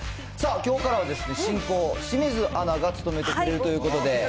さあ、きょうからは進行、清水アナが務めてくれるということで。